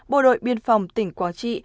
bộ đội biên phòng tỉnh quảng trị